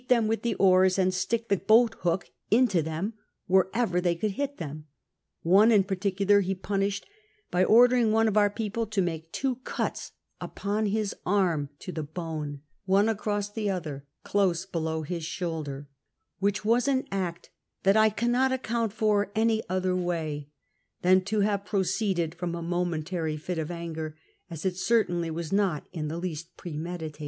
them witli the cal's ami stick the boat hook into them whei ever they could hit them ; one in particular he punished by ordering one of our people to make two cuts upon his arm to the bone, one across the other close below liis shoulder ; which was an act that I cannot account for any other wav than to have proceeded /iwm a iiiouvewOMy of anger, as it certainly was not in the least premeditated.